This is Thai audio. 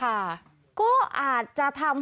ก็อาจจะทำให้ตัวเลขมันกลับมาอีกก็ได้